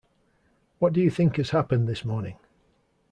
What do you think has happened this morning?